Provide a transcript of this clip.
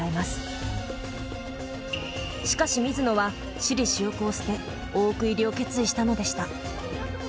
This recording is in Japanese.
しかし水野は私利私欲を捨て大奥入りを決意したのでした。